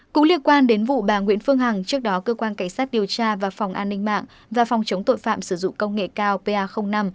cũng liên quan đến vụ bà nguyễn phương hằng trước đó cơ quan cảnh sát điều tra và phòng an ninh mạng và phòng chống tội phạm sử dụng công nghệ cao pa năm